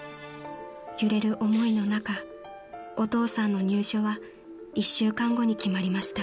［揺れる思いの中お父さんの入所は１週間後に決まりました］